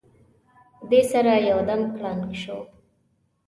دې سره یو دم کړنګ شو.